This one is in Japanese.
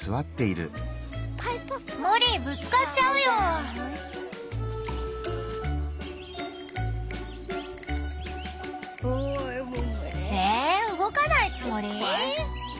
モリーぶつかっちゃうよ。え動かないつもり？